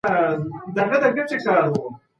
د پښتو د تدریس لپاره باید نوي میتودونه وکارول سي.